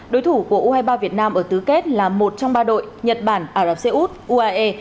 đối thủ của u hai mươi ba việt nam ở tứ kết là một trong ba đội nhật bản ả rập xê út uae